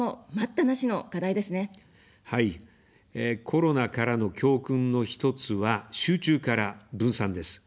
コロナからの教訓の一つは、集中から分散です。